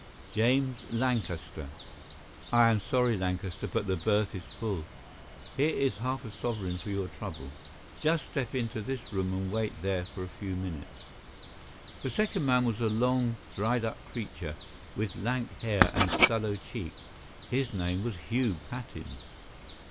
"James Lancaster." "I am sorry, Lancaster, but the berth is full. Here is half a sovereign for your trouble. Just step into this room and wait there for a few minutes." The second man was a long, dried up creature, with lank hair and sallow cheeks. His name was Hugh Pattins.